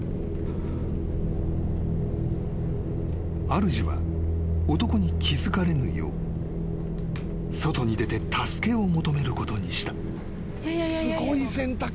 ［あるじは男に気付かれぬよう外に出て助けを求めることにした］